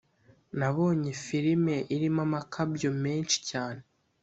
Nabonye firime irimo amakabyo menshi cyane